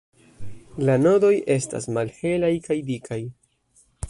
La nodoj estas malhelaj kaj dikaj.